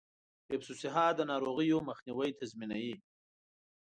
حفظ الصحه د ناروغیو مخنیوی تضمینوي.